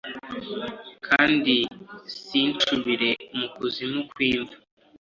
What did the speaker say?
kandi sincubire mu kuzimu kw’imva